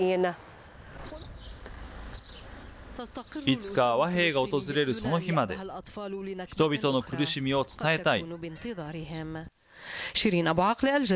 いつか和平が訪れるその日まで、人々の苦しみを伝えたい。